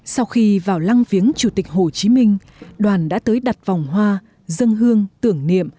sau khi vào lăng viếng chủ tịch hồ chí minh đoàn đã tới đặt vòng hoa dân hương tưởng niệm